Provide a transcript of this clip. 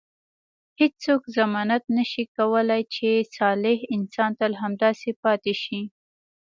هیڅوک ضمانت نه شي کولای چې صالح انسان تل همداسې پاتې شي.